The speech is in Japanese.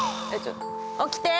起きて！